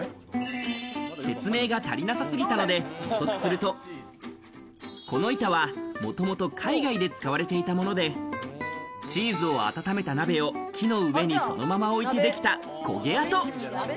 説明が足りなさすぎたので補足するとこの板は、もともと海外で使われていたもので、チーズを温めた鍋を木の上にそのまま置いて出来た焦げ跡。